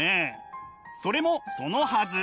それもそのはず。